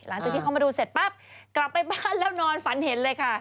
หลังจากที่เขามาดูเสร็จปั๊บกลับไปบ้านแล้วนอนฝันเห็นเลยค่ะ